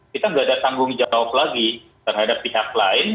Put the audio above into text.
kita nggak ada tanggung jawab lagi terhadap pihak lain